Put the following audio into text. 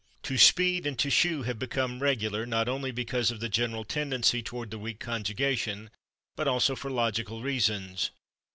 /To speed/ and /to shoe/ have become regular, not only because of the general tendency toward the weak conjugation, but also for logical reasons.